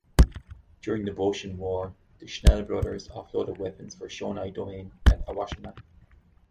During the Boshin War, the Schnell brothers offloaded weapons for Shonai Domain at Awashima.